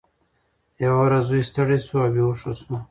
یوه ورځ زوی ستړی شو او بېهوښه شو.